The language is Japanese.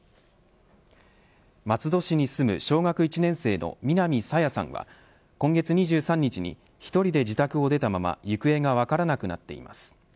松戸市に住む小学１年生の南朝芽さんは今月２３日に１人で自宅を出たまま行方が分からなくなっています。